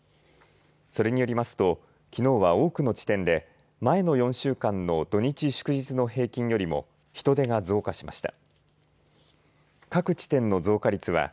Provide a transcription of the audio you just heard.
それによりますときのうは多くの地点で前の４週間の土日、祝日の平均よりも人出が増加しました。